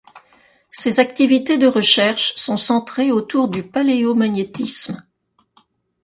Ses activités de recherche sont centrés autour du paléomagnétisme.